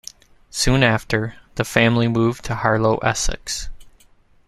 Soon after, the family moved to Harlow, Essex.